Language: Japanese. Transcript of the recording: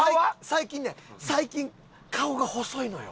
最近ね最近顔が細いのよ。